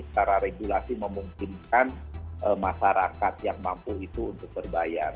secara regulasi memungkinkan masyarakat yang mampu itu untuk berbayar